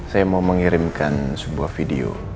saya mau mengirimkan sebuah video